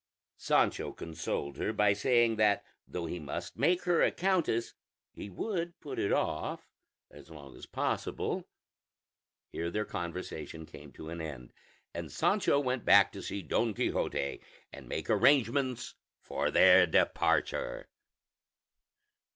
Sancho consoled her by saying that though he must make her a countess, he would put it off as long as possible. Here their conversation came to an end, and Sancho went back to see Don Quixote and make arrangements for their departure.